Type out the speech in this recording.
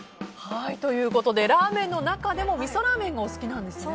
ラーメンの中でもみそラーメンがお好きなんですね。